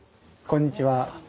こんにちは。